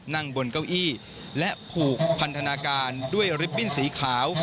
นั่งบนเก้าอี้และผูกพันธนาการด้วยลิปบิ้นสีขาว